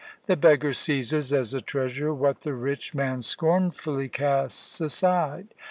The beggar seizes as a treasure what the rich man scornfully casts aside.